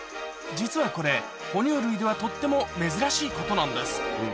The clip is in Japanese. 実はこれ、哺乳類ではとても珍しいことなんです。